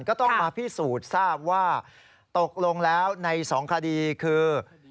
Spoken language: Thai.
ก็ต้องมาพิสูจน์ทราบว่าตกลงแล้วใน๒คดีคือ